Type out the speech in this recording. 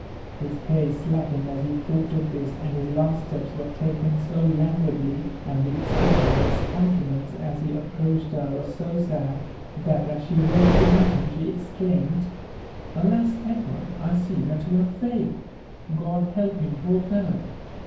His pace slackened as be thought of this ; and his laat ^teps w^^t» laken so lapguidlyi and the ejipresion of his countenance aa be ap l^roached her was so sad, that aa ahe rose to meet him she #x$iiaJmA^, '' Alas I Edward, I see that you have foiled 1 Ood help him* f^r fellow